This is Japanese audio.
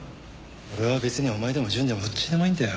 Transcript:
俺は別にお前でも淳でもどっちでもいいんだよ。